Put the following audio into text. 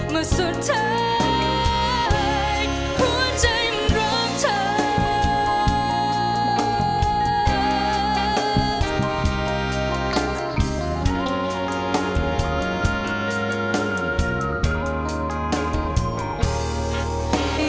เมื่อสุดท้ายหัวใจมันรักเธอ